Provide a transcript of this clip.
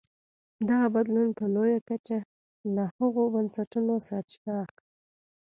دغه بدلون په لویه کچه له هغو بنسټونو سرچینه اخیسته.